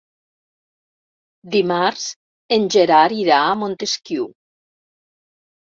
Dimarts en Gerard irà a Montesquiu.